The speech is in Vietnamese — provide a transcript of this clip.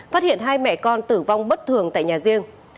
phát hiện hai mẹ con tử vong bất thường tại nhà riêng